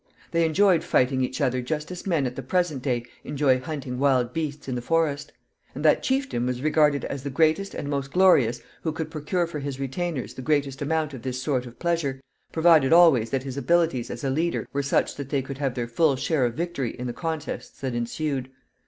They enjoyed fighting each other just as men at the present day enjoy hunting wild beasts in the forest; and that chieftain was regarded as the greatest and most glorious who could procure for his retainers the greatest amount of this sort of pleasure, provided always that his abilities as a leader were such that they could have their full share of victory in the contests that ensued.